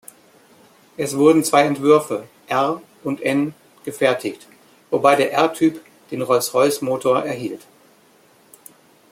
Es wurden zwei Entwürfe „R“ und „N“ gefertigt, wobei der R-Typ den Rolls-Royce-Motor erhielt.